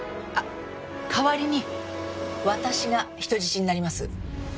あっ代わりに私が人質になります。